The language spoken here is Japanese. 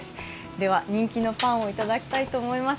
では人気のパンをいただきたいと思います。